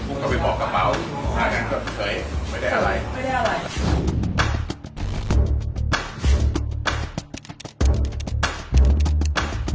คือเขาตกใจหนีก็ด่าเลยใช่ค่ะ